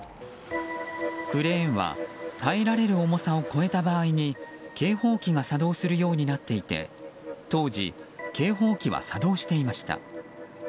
クレーンは耐えられる重さを超えた場合に警報器が作動するようになっていて当時、警報器は作動していました。